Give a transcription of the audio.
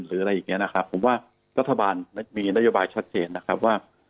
หรืออะไรอย่างเงี้นะครับผมว่ารัฐบาลมีนโยบายชัดเจนนะครับว่า